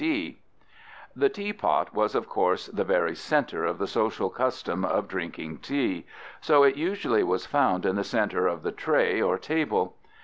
_)] The teapot was, of course, the very center of the social custom of drinking tea; so, it usually was found in the center of the tray or table.